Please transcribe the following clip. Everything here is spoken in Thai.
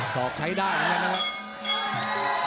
ศอกใช้ด้านแล้วกันนะครับ